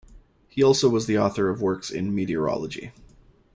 He also was the author of works in meteorology.